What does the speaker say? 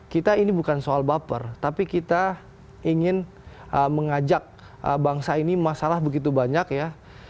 kita ini bukan soal baper tapi kita ingin mengajak bangsa ini masalah begitu banyak ya